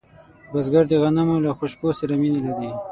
بزګر د غنمو له خوشبو سره مینه لري